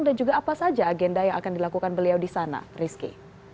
dan juga apa saja agenda yang akan dilakukan beliau di sana rizky